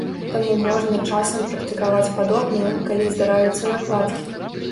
Таму можна часам практыкаваць падобнае, калі здараюцца накладкі.